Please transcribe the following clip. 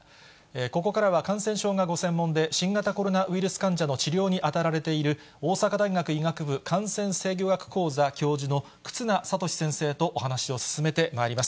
ここからは感染症がご専門で、新型コロナウイルス患者の治療に当たられている、大阪大学医学部感染制御学講座教授の、忽那賢志先生とお話を進めてまいります。